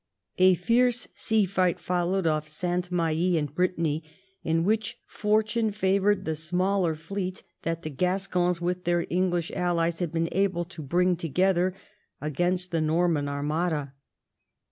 A fierce sea fight followed off" Saint Mahe in Brittany, in which fortune favoured the smaller fleet that the Gascons with their English allies had been able to bring together against the Norman Armada.